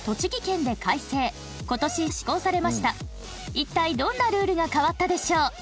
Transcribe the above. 一体どんなルールが変わったでしょう？